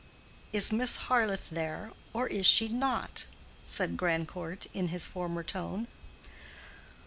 Is Miss Harleth there, or is she not?" said Grandcourt, in his former tone.